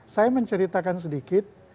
saya menceritakan sedikit